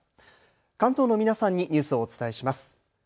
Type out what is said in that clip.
関東の皆さんにニュースをお伝えします。